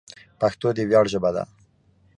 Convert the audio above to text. پښتو د ویاړ ژبه ده.